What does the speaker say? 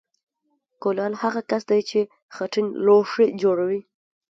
کولال هغه کس دی چې خټین لوښي جوړوي